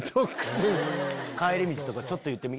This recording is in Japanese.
帰り道とかちょっと言うてみ？